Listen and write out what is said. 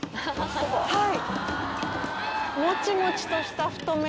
はい。